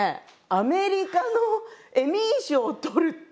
アメリカのエミー賞をとるって。